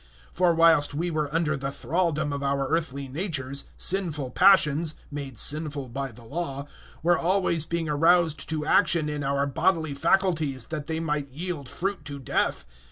007:005 For whilst we were under the thraldom of our earthly natures, sinful passions made sinful by the Law were always being aroused to action in our bodily faculties that they might yield fruit to death.